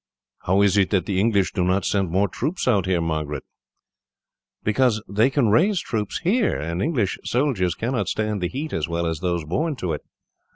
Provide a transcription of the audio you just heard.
"How is it that the English do not send more troops out here, Margaret?" "Because they can raise troops here, and English soldiers cannot stand the heat as well as those born to it.